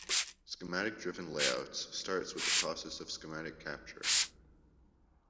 Schematic-driven layout starts with the process of schematic capture.